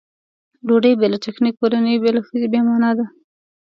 ډوډۍ بې له چکنۍ کورنۍ بې له ښځې بې معنا دي.